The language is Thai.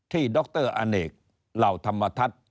ดรอเนกเหล่าธรรมทัศน์